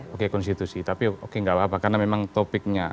oke konstitusi tapi oke gak apa apa karena memang topiknya